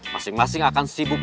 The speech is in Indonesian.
masing masing akan sibuk